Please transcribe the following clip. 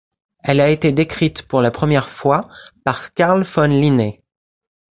Elle a été décrite pour la première fois par Carl von Linné.